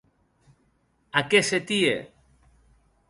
A qué se tie?